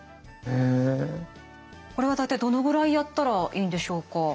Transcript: これは大体どのぐらいやったらいいんでしょうか？